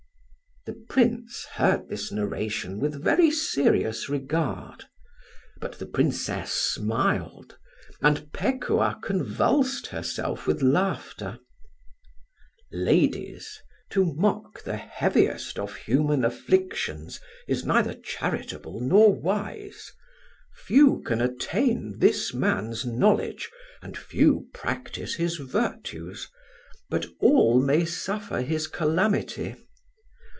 '" The Prince heard this narration with very serious regard; but the Princess smiled, and Pekuah convulsed herself with laughter. "Ladies," said Imlac, "to mock the heaviest of human afflictions is neither charitable nor wise. Few can attain this man's knowledge and few practise his virtues, but all may suffer his calamity.